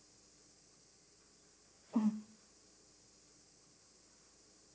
うん。